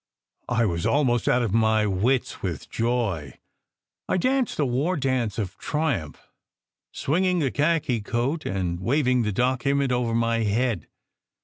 I was almost out of my wits with joy. I danced a war SECRET HISTORY 295 dance of triumph, swinging the khaki coat and waving the document over my head.